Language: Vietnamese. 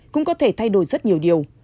cũng có thể thay đổi rất nhiều điều